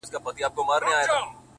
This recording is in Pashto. o په سپورږمۍ كي زمــــا پــيــــر دى،